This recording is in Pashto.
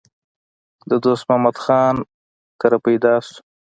د دوست محمد خان کره پېدا شو